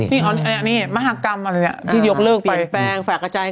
สุดยอดนี้ก็ตอบจะทุกอย่างหน่อยแบบความแตกพี่ยกเลือกก็หาหน่อย